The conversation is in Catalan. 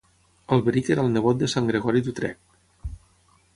Alberic era el nebot de sant Gregori d'Utrecht.